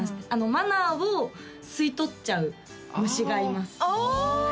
マナーを吸い取っちゃう虫がいますああ！